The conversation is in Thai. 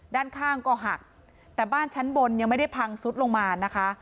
ด้านข้างก็หักแต่บ้านชั้นบนยังไม่ได้พังซุดลงมานะคะ